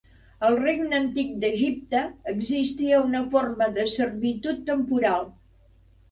Al Regne Antic d'Egipte existia una forma de servitud temporal.